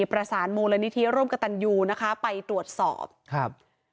ประสานมูลนิธิร่วมกับตันยูนะคะไปตรวจสอบครับ